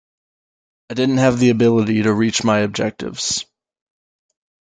I didn't have the ability to reach my objectives.